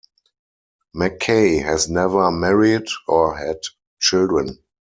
McCay has never married or had children.